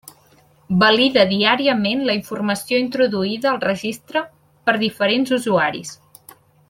Valida diàriament la informació introduïda al Registre pels diferents usuaris.